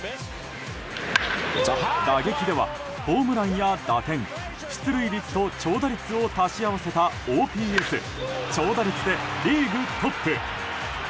打撃ではホームランや打点出塁率と長打率を足し合わせたＯＰＳ、長打率でリーグトップ。